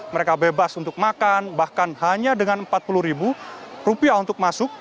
mereka bebas untuk makan bahkan hanya dengan rp empat puluh untuk masuk